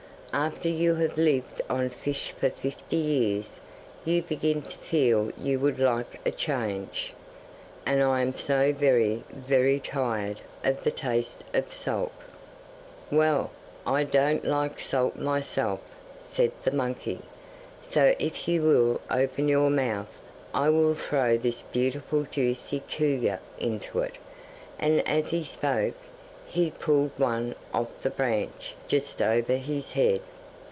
'After you have lived on fish for fifty years you begin to feel you would like a change. And I am so very, very tired of the taste of salt.' 'Well, I don't like salt myself,' said the monkey; 'so if you will open your mouth I will throw this beautiful juicy kuyu into it,' and, as he spoke, he pulled one off the branch just over his head.